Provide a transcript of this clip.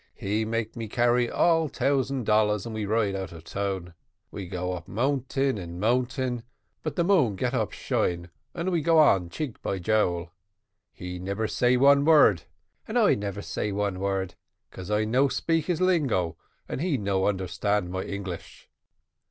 He make me carry all tousand dollars and we ride out of town. We go up mountain and mountain, but the moon get up shine and we go on cheek by jowl he nebber say one word, and I nebber say one word, 'cause I no speak his lingo, and he no understand my English.